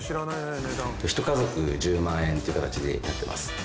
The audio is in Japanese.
家族１０万円って形でやってます